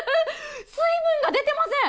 水分が出てません。